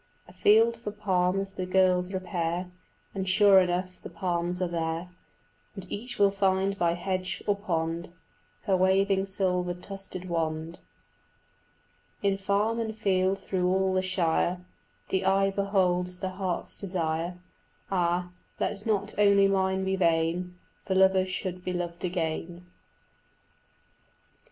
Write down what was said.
Afield for palms the girls repair, And sure enough the palms are there, And each will find by hedge or pond Her waving silver tufted wand. In farm and field through all the shire The eye beholds the heart's desire; Ah, let not only mine be vain, For lovers should be loved again.